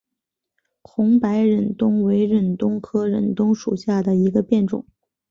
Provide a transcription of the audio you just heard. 红白忍冬为忍冬科忍冬属下的一个变种。